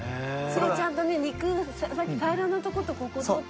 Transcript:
それちゃんと肉がさっき平らなとことこことって。